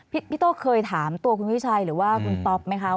พี่โต้เคยถามตัวคุณวิชัยหรือว่าคุณต๊อปไหมคะ